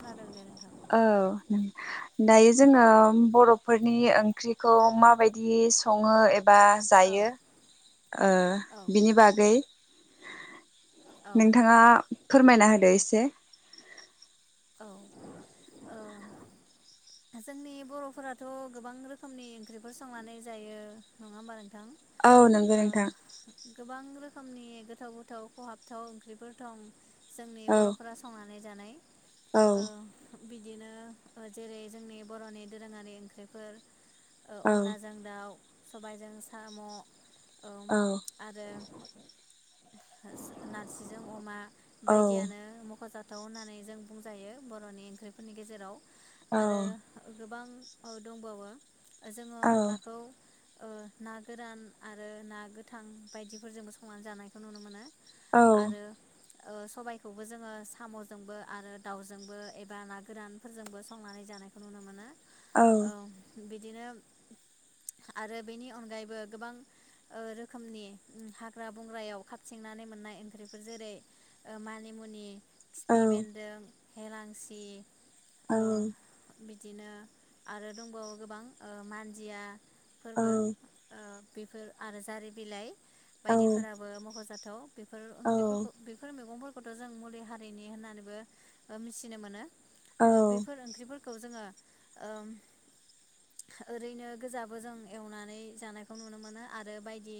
खोनादों दे नोंथां। औ नों दायो जोंङो बरफोरनि ओंख्रिखौ माबायदि संङो ए बा औ जायो ओ औ बिनि बागै औ नोंथांङा फोरमायना होदो एसे [inaudible] ओ जोंनि बरफोराथ गोबां रोखोमनि ओंख्रिफोर संनानै जायो नंङा होमबा? दां औ नंगौ नोंथां ओ गोबां रोख रोखोमनि गोथाव गोथाव खहाबथाव ओंख्रिफोरथं जोंनि औ बरफोरा संनानै जानाय औ ओ बिदिनो ओ जेरै जोंनि बरनि दोरोंङारि ओंख्रिफोर ओ औ अनलाजों दाउ सबायजों साम औ आरो सा नारजिजों अमा औ बायदियानो मखजा दाउ होनानै जों बुंजायो बरनि ओंख्रिफोरनि गेजेराव औ आरो गोबां औ दंबावो जोङो औ अनलाखौ ओ ना गोरान आरो ना गोथां बायदिफोरजोंबो संनानै जानायखौ नुनो मोनो औ आरो ओ सबायखौबो जोङो सामजोंबो आरो दाउजोंबो एबा ना गोरानफोरजोंबो संनानै जानायखौ नुनो मोनो औ बि बिदिनो आरो बेनि अनगायैबो गोबां ओ रोखोमनि हाग्रा बंग्रायाव खााबथिंनानै मोननाय ओंख्रिफोर जेरै ओ मानिमुनि औ खिफि बेन्दों हेलांसि औ ओ बिदिनो आरो दंबावो गोबां ओ मानदिया फोरबो ओ बेफोर आरो जारि बिलाइ बायदिफोराबो मखजाथाव बेफोर ओंख्रिफोरखौ बेफोर मैगंफोरखौ खोथ जों मुलि हारिनि होननानैबो ओ मिथिनो मोनो ओ बेफोर ओंख्रिफोरख खौ जोङो ओम ओरैनो गोजाबो जों एवनानै जानायखौ नुनो मोनो आरो बायदि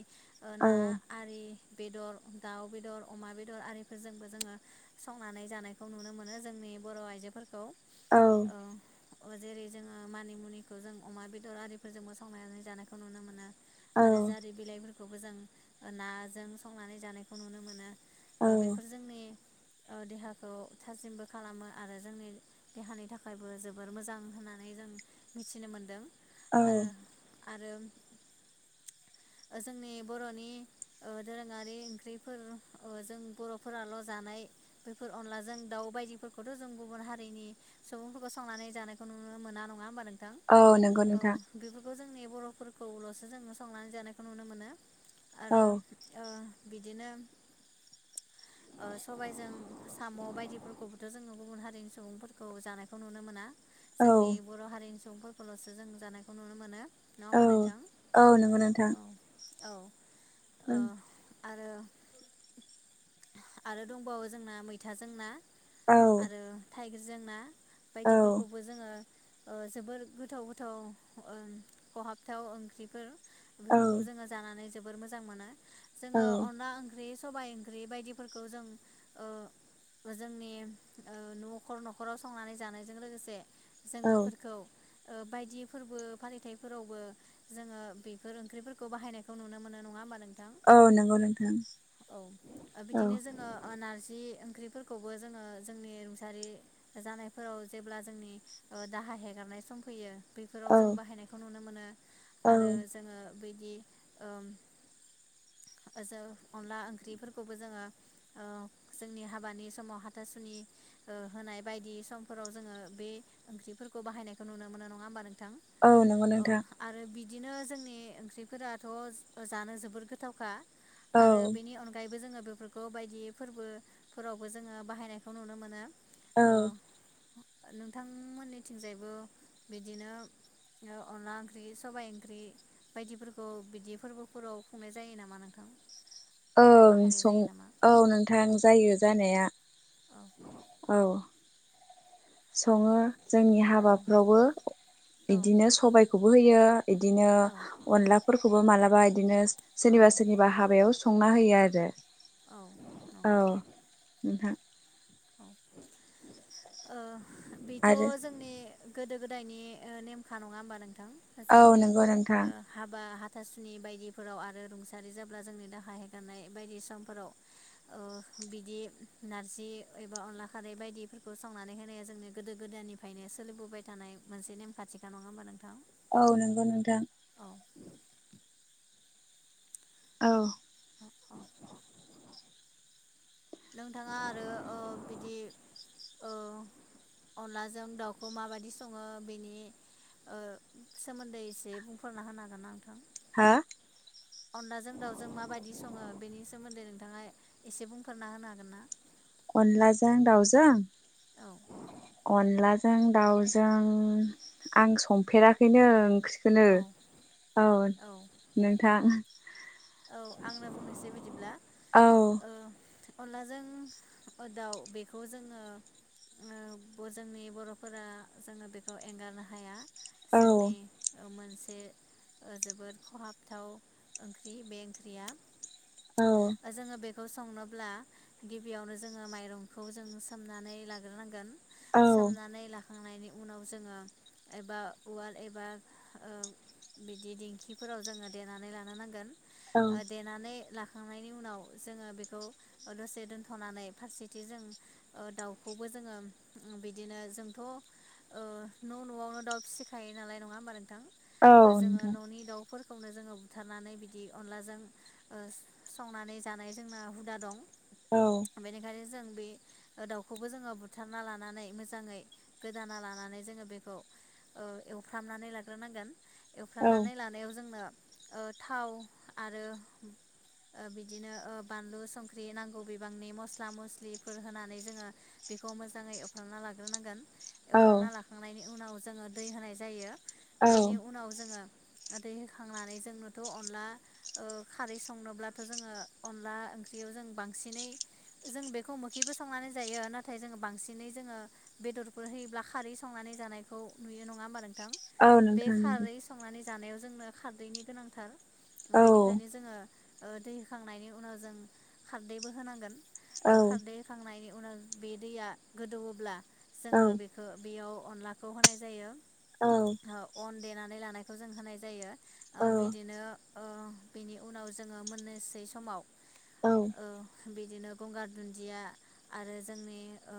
ओ नाआरि बेदर दाउ बेदर अमा बेदर आरिफोरजोंबो जोङो संनानै जानायखौ नुनो मोनो जोंनि बर आइजोफोरखौ औ औ जेरै जोङो मानिमुनिखौ जों अमा बेदर आरिफोरजोंबोसंनानै जानायखौ नुनो मोनो औ आरो जारि बिलाइफोरखौ खौबो जों नाजों संनानै जानायखौ नुनो मोनो ओ बेफोर जोंनि ओ देहाखौ थासिमबो खालामो आरो जोंनि देहानि थाखायबो जोबोर मोजां होननानै जों मिथिनो मोनदों औ आरो आरो ओ जोंनि बरनि ओ दोरोङारि ओंख्रिफोर जों बरफोराल जानाय बेैफोर अनलाजों दावउ बायदि फोरखौथ जों गुबुन हारिनि सुबुंफोरखौ संनानै जानायखौ नुनो मोना नङा होनोमबा नों औ नोंगौ नोंथां। जोंनि बर'फोरखौल'सो जोङो संनानै जानायखौ नुनो मोनो। औ आरो ओ बिदिनो ओ सबायजों साम' बायदिफोरखौ थ' जोङो गुबुन हारिनि सुबुंफोरखौ जानायखौ नुनो मोना। औ जोंनि बर' हारिनि सुबुंफोरखौल'सो जों जानायखौ नुनो मोनो। नङा औ होमबा नोंथां औ नोंगौ नोंथां। औ औ। ओ आरो आरो दंबावो जोंना मैथाजों ना। औ आरो थाइगिरजों ना। औ बायदिफोरखौबो जोङो ओ जोबोर गोथाव गोथाव ओ खहाबथाव ओंख्रिफोर औ गोहोखौ जोङो जानानै जोबोर मोजां मोनो। औ जोङो अनला ओंख्रि सबाइ ओंख्रि बायदिफोरखौ जों ओ जोंनि ओ नखर नखराव संनानै जानायजों लोगोसे जों औ बेफोरखौ ओ बायदि फोरबो फालिथाइफोरावबो जोङो बेफोर ओंख्रिफोरखौ बाहायनायखौ नुनो मोनो नङा होमबा नों थां। औ नंगौ नोंथां औ ओ औ बिदिनो जोङो ओ नारजि ख्रिफोरखौबो जोङो जोंनि रुंसारि जानायफोराव जेब्ला जोंनि ओ दाहा हेगारनाय सम फैयो बेफोराव औ जों बाहायनायखौ नुनो मोनो। औ आरो जोङो बिदि ओम जो अनला ओंख्रिफोरखौबो जोङो ओ जोंनि हाबानि समाव हथासु सुनि ओ होनाय बायदि समफोराव जोङो बे ओंख्रिफोरखौ बाहायनायखौ नुनो मोनो नङा होमबा नों थां औ नंगौ ओ नोंथां आरो बि बिदिनो जोंनि ओंख्रिफोराथ' जानो जोबोर गोथावखा। औ आरो बेनि अनगायैबो जोङो बेफोरखौ बायदि फोरबोफोरावबो जोङो बाहायनाय नुनो मोनो। औ। नोंथांमोननि थिंजायबो बिदिनो ओ अनला ओंख्रि सबाइ ओंख्रि बायदिफोरखौ बिदि फोरबोफोराव खुंनाय जायो नामा नोंथां औ बाहायनाय सं जायो नामा औ नोंथां औ जायो जानाया औ औ सङो जोंनि औ हाबाफ्रावबो बिदिनो सबाइ खौबो होयो बिदिनो औ अनला फोरखौबो मालाबा इदिनो औ सोरनिबा सोरनिबा हाबायाव संना होयो आरो औ औ नंगौ नोंथां औ औ बेथ' आरो जोंनि गोदो गोदायनि नेमखा नङा होमबा नों औ जोंनि नंगौ नोंथां ओ हाबा हाथासुनि बायदिफोराव आरो रुंसारि जाब्ला जोंनि दाहा हेगारनाय बायदि समफोराव बिदि नारजि एबा अनला खारै बायदि बेखौ सावनानै होनाया जोंनो गोदो गोदायनिफ्रायनो सोलिबोबाय थानाय मोनसे नेमखाान्थिखा नङा होनोमबा नोंथां औ नंगौ नोंथां औ औ अ औ नोंथाङा आरो बिदि अनलाजों दाउखौ माबायदि सङो बेनि ओ सोमोन्दै एसे बुंफोरना होनो हागोन ना नोंथां हा अनलाजों दाउजों माबायदि सङो बेनि सोमोन्दै नों नोंथाङा एसे बुं फोरना होनो हागोन ना अनलाजों दावजों औ अनलाजों जों दाउजों आं संफेराखैनो ओंख्रिखौनो औ औ नोंथां औ आंना बुंनोसै बिदिब्ला औ अनलाजों दाउ बेखौ जोङो जोंनि बर'फोरा जोङो बेखौ एंगारनो हाया औ जोंनि ओ मोनसे जोबोद खहाबथाव ओंख्रि ओंख्रि बे ओंख्रिया औ जोङो बे खौ संनोब्ला गिबियावनो जोङो माइरंखौ जों सोमनानै लाग्रोथारनांगोन। सामनानै ला खांनायनि उनाव जोङो एबा उवाल एबा बिदि दिंखिफोराव जोङो देनानै लानो नांगोन। औ देनानै ला खांनायनि उनाव जोङो बेखौ दसे दोनथ'नानै फारसेथिं जों दाउखौबो जोङो बिदिनो जोंथ' न' न'आवनो दाउ फिसिखायो नालाय नङा होमबा नोंथां औ जोङो नोंथां न'नि दाउफोर खौनो जोङो बुथारनानै बिदि अनलाजों संनानै जानाय जोंना हुदा दं। बेनिखायनो जों बे दाउखौबो जोङो बुथारना लानानै मोजाङै गोदाना लानानै जोङो बेखौ एवफ्रामनानै लाग्रोनांगोन। औ एवफ्रानानै लानायाव जोंनो ओ थाव आरो ओ बिदिनो ओ बानलु संख्रि नांगौ बिबांनि मस्ला मस्लिफोर होनानै जोङो बेखौ मोजाङै एवफ्रामना लाग्रोनांगोन। औ एवफ्रामना लाखांनायनि उनाव जोङो दै होनाय जायो। औ बेनि उनाव जोङो गोदौ होखांनानै जोंनोथ' अनला ओ खारै संनोब्लाथ' जोङो अनला ओंख्रियाव जों बांसिनै जों बेखौ मोखिबो संनानै जायो नाथाय जोङो बांसिनै जोङो बेदरफोर होयोब्ला खारै संनानै जानायखौ नुयो नङा होमब्ला नों थां औ बे नोंथां खारै संनानै जानायाव जोंनो खारदैनि गोनांथार। औ बेनिखायनो जोङो ओ दै होखांनायनि उनाव जों खारदैबो होथारनांगोन। औ आ औ खारदै होखांनायनि उनाव बे दैया गोदौवोब्ला जोङो बेखौ बेयाव अनलाखौ होनाय जायो। ओ अन देनानै लानायखौ जों होनाय जायो। ओ बिदिनो अ बिनि उनाव जोङो मोननैसै समाव ओ बिदिनो गंगार दुन्दिया आरो जोंनि ओ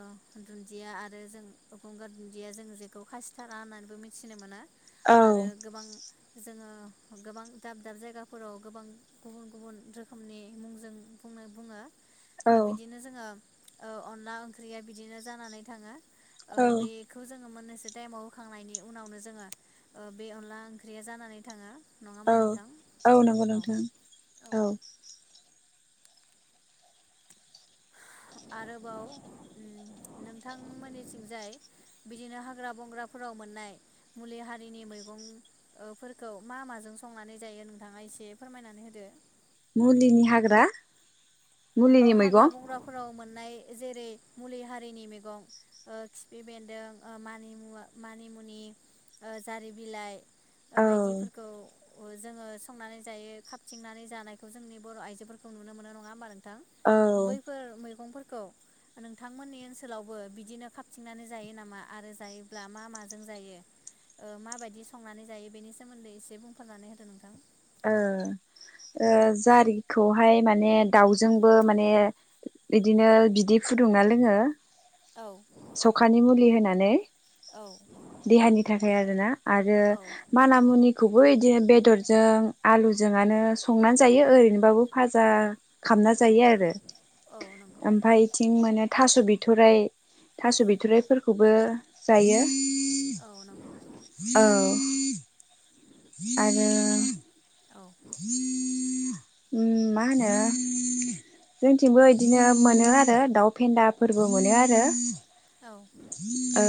दुन्दिया आरो जों गंगार दुन्दिया जों जेखौ खासिथारा होननानैबो मिथिनो मोनो। आरो गोबां जोंङो गोबां दाब दाब जायगाफोराव गोबां गुबुन गुबुन रोखोमनि मुंजों बुंनो बुंङो। ओ बिदिनो जोंङो। ओ अनला ओंख्रिया बिदिनो जानानै थांङो। ओ औ बेखौ जों मोननैसो टाइमाव होखांनायनि उनावनो जोंङो ओ बे अनला ओंख्रिया जानानै थांङो। नंङा होमबा नोंथां औ औ नंगौ नोंथां औ आरोबाव नोंथांमोननिथिंजाय बिदिनो हाग्रा बंग्राफोराव मोननाय मुलि हारिनि मैगं ओ फोरखौ मा माजों संनानै जायो। नोंथाङा एसे फोरमायनानै होदो मुलिनि हाग्रा औ मुलिनि हाग्रा मैगं बंग्राफोराव मोननाय जेरै मुलि हारिनि मैगं ओ खिफि बेन्दों ओ मानिमुवा मानिमुनि ओ जारि बिलाइ औ बायदिफोरखौ जोंङो संनानै जायो खाबथिंनानै जानायखौ जोंनि बर आइजोफोरखौ नुनो मोनो नंङा होमबा औ बैफोर मैगं खौ नोंथांमोननि ओनसोलावबो बिदिनो खाबथिंनानै जायो नामा आरो जायोब्ला मा माजों जायो माबायदि संनानै जायो बेनि सोमोन्दै एसे बुंफोरनानै होदो नोंथां जारिखौहाय माने दाउजोंबो माने बिदिनो बिदै फुदुंना लोंङो औ सखानि मुलि होना नै औ देहानि नि थाखाय आरो ना आरो औ माना मुनि खौबो बिदिनो बेदरजों आलुजोंआनो संनानै जायो ओरैनोबाबो फाजा खामना औ जायो आरो औ नंगौ ओमफायथिं मोने थास बिथाइ थास बिथराइफोरखौबो जायो औ नंगौ औ आरो औ [unintelligible] मा होनो जोंथिंबो बिदिनो मोनो आरो दाउ फेन्दाफोरबो मोनो आरो औ ओ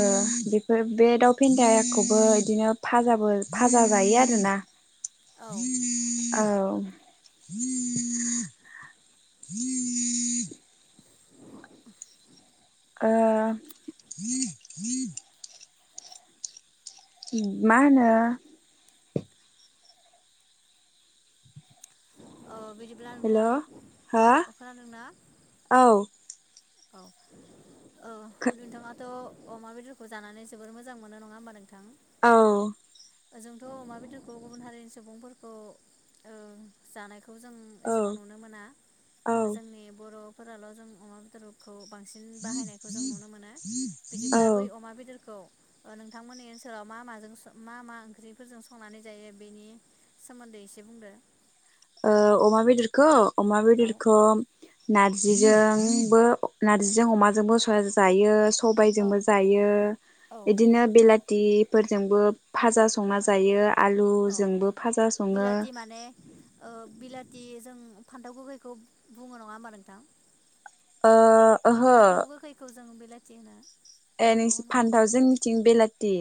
बेफोर बे दाउ फेन्दाखौबो इदिनो जाबो फाजा जायो आरोना औ औ [inaudible] ओ मा होनो औ बिदिब्ला हेल' नोंथां हो अ खोनादोंना औ औ औ नोंथाङाथ' अमा बेदरखौ जानानै जोबोर मोजां मोनो नङा होमब नों औ ओजोंथ' अमा बेदरखौ गुबुन हारिनि सुबुंफोरखौ जानायखौ खौ जों औ एसेबां नुनो मोना औ जोंनि बर' फोराल' जों अमा बेदराव खौ बांसिन बाहायनायखौ जों नुनो मोनो औ बिदिब्ला बै ओ अमा बेदरखौ नोंथांमोननि ओनसोलाव मा माजों मा मा ओंख्रिफोरजों संनानै जायो बेनि सोमोन्दै एसे बुंदो अमा बेदरखौ अमा बेदरखौ नारजिजोंबो नारजिजों अमाजोंबो सया जायो बुंदो औ सबाइजोंबो जायो बिदिनो बेलाथ थिफोरजोंबोब फाजा संना औ जायो औ औ आलुजोंबो फाजा सङो बिलाथि माने ओ बिलाथि जों फान्थाव गोगैखौ बुङो नङा होमबा नोंथां ओ ओहो फान्थाव गोखैखौ जों बिलाथि होनो ए माखौ नोंसि होनोमोन फानथाव जोंनिथिं बेलाथि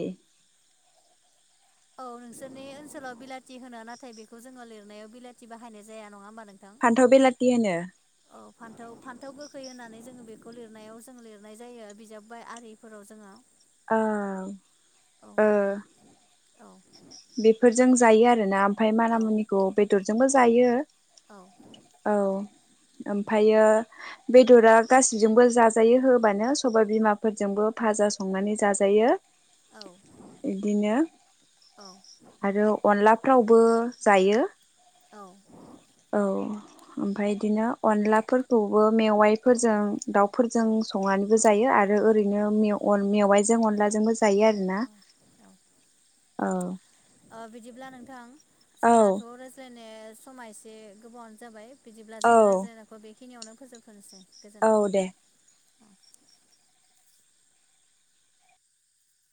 औ नोंसोरनि ओनसोलाव बिलाथ थि होनो नाथाय बेखौ जोङो लिरनायाव बिलाथि बाहायनाय जाया नङा होमबा नोंथ फान्थाव बेलाथि होनो। औ फान्थाव फान्थाव गोखै होनानै जोङो बेखौ लिरनायाव जों लिरनाय जायो बिजाब बाय आरिफोराव जोङो ओं औ ओह औ बेफ बेफोरजों जायो आरोना ओमफ ओमफ्राय माना औ मुनिखौ बेदर जोंबो जायो औ औ ओमफायो बेदरा गासिजोंबो जाजायो होबानो सबाय बिमाफोरजोंबो फाजा सं संनानै जाजायो। औ बिदिनो आरो अनलाफ्रावबो जायो। औ औ ओमफ्राय इदिनो अनलाफोरखौबो औ मेवाइफोरजों दाउफोरजों संनानैबो जायो औ आरो ओरैनो मेव मेवाइजों अनलाजोंबो जा जायो आरो ना। औ औ औ। ओ बिदिब्ला नोंथां औ जोंनाथ' रायज्लाय मा नो समा एसे गोबावानो जाबाय बिदिब्ला जोंनो औ रायज्लायखौ बे बेखिनियावनो फोजोबथ'नोसै औ गोजोन्थों। दे